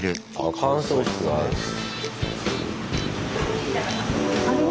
乾燥室ね。